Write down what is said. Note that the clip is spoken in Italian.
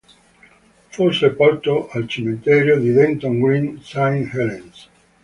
Fu sepolto al cimitero di Denton Green, Saint Helens.